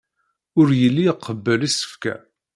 Ur yelli iqebbel isefka.